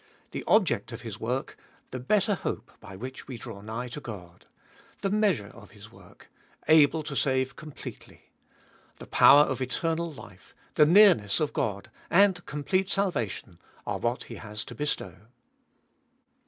The object of His work : the better hope, by which we draw nigh to God. The measure of His work : able to save completely. The power of eternal life, the nearness of Qod, and complete salvation are what He has to bestow.